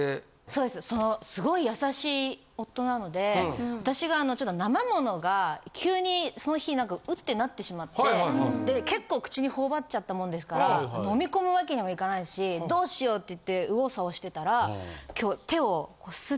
そうですすごい優しい夫なので私がちょっと生ものが急にその日ウッてなってしまって結構口に頬張っちゃったもんですから飲み込むわけにもいかないしどうしようっていって右往左往してたら。